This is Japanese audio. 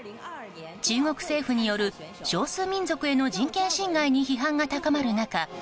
中国政府による少数民族への人権侵害に批判が高まる中